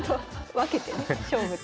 分けてね勝負と。